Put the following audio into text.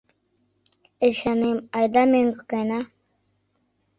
— Эчанем, айда мӧҥгӧ каена.